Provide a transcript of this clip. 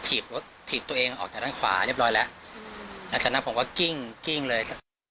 ถีบรถถีบตัวเองออกจากด้านขวาเรียบร้อยแล้วหลังจากนั้นผมก็กิ้งกิ้งเลย